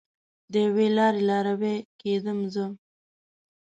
د یوې لارې لاروی کیدم زه